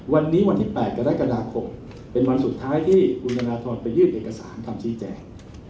วันนี้วันที่๘กรกฎาคมเป็นวันสุดท้ายที่คุณธนทรไปยื่นเอกสารคำชี้แจง